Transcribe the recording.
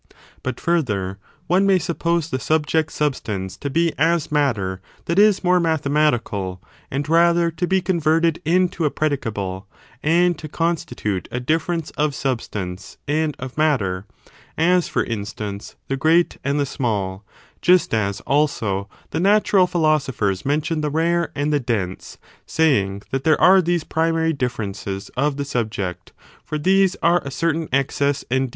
But, further, one may suppose the subject substance to be as matter that is more mathematical, and rather to be con verted into a predicable, and to constitute a difference of substance and of matter, — as, for instance, the great' and the small, — just as, also, the natural philosophers mention the rare and the dense, saying that there are these primary differences of the subject, for these are a certain excess and defect.